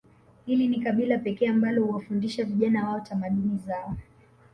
Hili ni kabila pekee ambalo huwafundisha vijana wao tamaduni zao